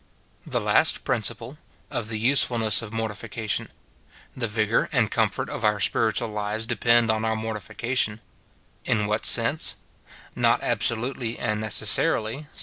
The last principle; of the usefulness of mortification — The vigour and comfort of our spiritual lives depend on our mortification — In what sense — Not absolutely and necessarily; Psa.